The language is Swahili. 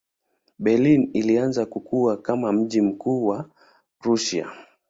Berlin ilianza kukua kama mji mkuu wa Prussia.